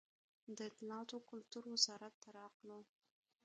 د اطلاعات و کلتور وزارت ته راغلو.